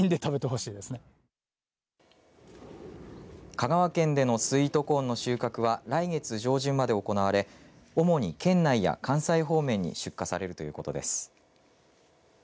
香川県でのスイートコーンの収穫は来月上旬まで行われ主に県内や関西方面に出荷されるということです。